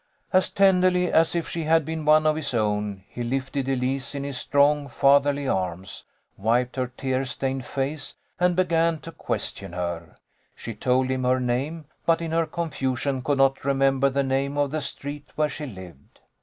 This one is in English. As tenderly as if she had been one of his own, he lifted Elise in his strong, fatherly arms, wiped her 198 THE LITTLE COLONEL'S HOLIDAYS. tear stained face, and began to question her. She told him her name, but in her confusion could not remember the name of the street where she lived.